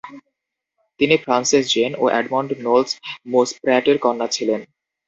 তিনি Frances Jane ও Edmund Knowles মুসপ্র্যাটের কন্যা ছিলেন।